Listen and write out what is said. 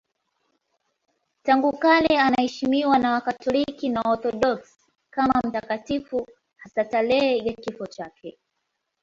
Tangu kale anaheshimiwa na Wakatoliki na Waorthodoksi kama mtakatifu, hasa tarehe ya kifo chake.